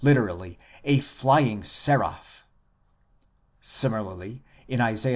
a flying seraph) "; similarly in Isa.